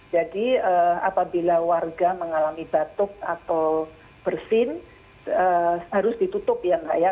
jadi apabila warga mengalami batuk atau bersin harus ditutup ya mbak ya